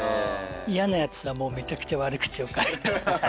嫌なやつはもうめちゃくちゃ悪口を書いて。